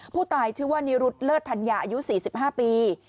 ผู้ตายชื่อว่านิรุธเลิศธัญญาอายุ๔๕ปี